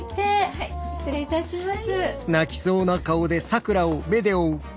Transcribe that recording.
はい失礼いたします。